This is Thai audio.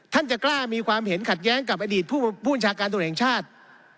ท่านจะกล้ามีความเห็นขัดแย้งกับอดีตผู้ชาการตัวเองชาติ